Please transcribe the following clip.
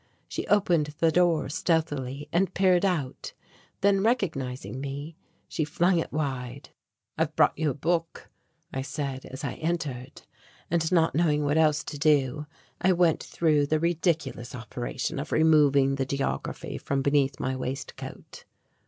She opened the door stealthily and peered out, then recognizing me, she flung it wide. "I have brought you a book," I said as I entered; and, not knowing what else to do, I went through the ridiculous operation of removing the geography from beneath my waistcoat.